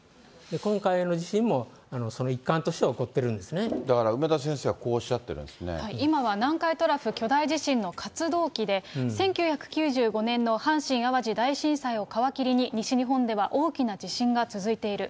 今回の地震もその一環として起こだから、梅田先生はこうおっ今は南海トラフ巨大地震の活動期で、１９９５年の阪神・淡路大震災を皮切りに、西日本では大きな地震が続いている。